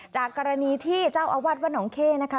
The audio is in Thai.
จากกรณีที่เจ้าอาวาสวัดหนองเข้นะคะ